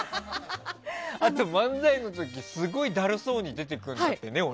あと漫才の時すごいだるそうに出てくるんだってね、俺。